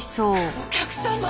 お客様！